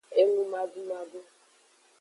Enumadumadu.